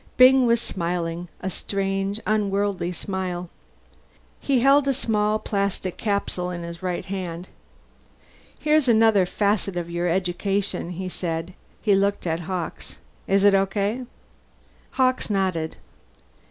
Byng was smiling a strange unworldly smile. He held a small plastic capsule in his right hand. "Here's another facet of your education," he said. He looked at Hawkes. "Is it okay?" Hawkes nodded.